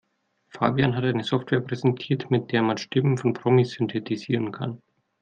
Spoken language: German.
Fabian hat eine Software präsentiert, mit der man Stimmen von Promis synthetisieren kann.